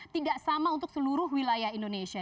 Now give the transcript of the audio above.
tidak sama untuk seluruh wilayah indonesia